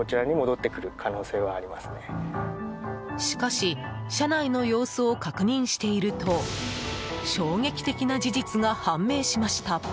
しかし車内の様子を確認していると衝撃的な事実が判明しました。